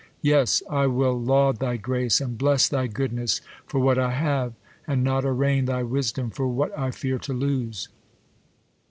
Yes, I will laud thy grace, and bless thy goodness For what I have, and not arraign thy v/isdom " For what I fear to lose.